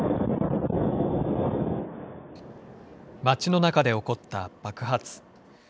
街の中で起こった爆発。